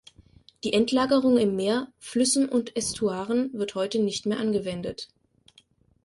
Die Endlagerung im Meer, Flüssen und Ästuaren wird heute nicht mehr angewendet.